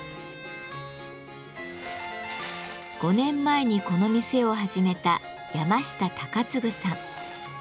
５年前にこの店を始めた山下貴嗣さん。